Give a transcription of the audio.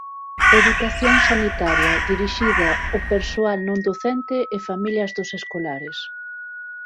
Educación Sanitaria dirixida ó persoal non docente e familias dos escolares.